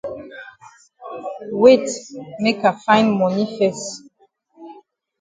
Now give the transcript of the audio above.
Wait make I find moni fes.